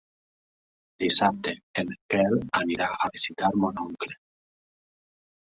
Dissabte en Quel anirà a visitar mon oncle.